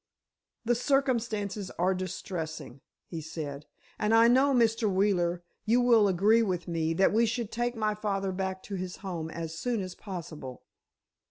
"The circumstances are distressing," he said, "and I know, Mr. Wheeler, you will agree with me that we should take my father back to his home as soon as possible.